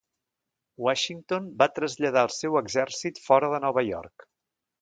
Washington va traslladar el seu exèrcit fora de Nova York.